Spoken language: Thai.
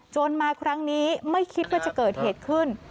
มาครั้งนี้ไม่คิดว่าจะเกิดเหตุขึ้น